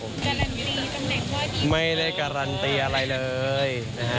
ไม่ได้การันตีอะไรเลย